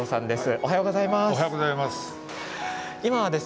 おはようございます。